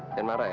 jangan marah ya